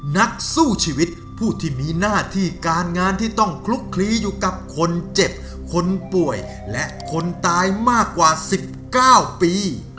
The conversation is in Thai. นักสู้ชีวิตผู้ที่มีหน้าที่การงานที่ต้องคลุกคลีอยู่กับคนเจ็บคนป่วยและคนตายมากกว่า๑๙ปี